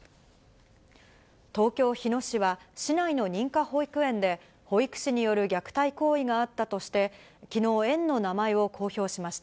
東京・日野市は、市内の認可保育園で保育士による虐待行為があったとして、きのう、園の名前を公表しました。